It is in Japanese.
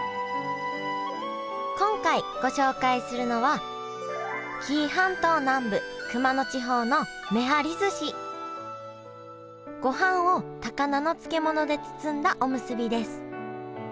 今回ご紹介するのは紀伊半島南部ごはんを高菜の漬物で包んだおむすびです。